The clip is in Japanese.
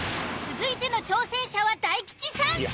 続いての挑戦者は大吉さん。